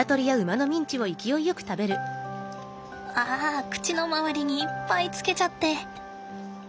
あ口の周りにいっぱいつけちゃって。